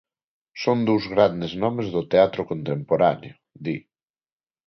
Son dous grandes nomes do teatro contemporáneo, di.